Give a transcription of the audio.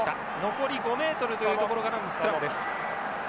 残り５ｍというところからのスクラムです。